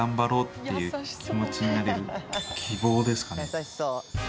優しそう。